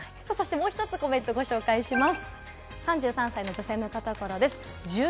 もう一つコメントをご紹介します。